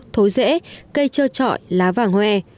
thối rễ cây trơ trọi lá vàng hoe